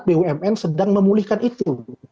bumn sedang memulihkan itu